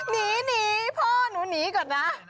หนีพ่อหนูหนีก่อนนะ